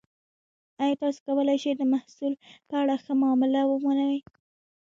ایا تاسو کولی شئ د محصول په اړه ښه معامله ومومئ؟